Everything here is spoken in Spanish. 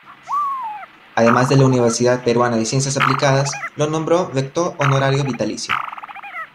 Además la Universidad Peruana de Ciencias Aplicadas lo nombró Rector Honorario Vitalicio.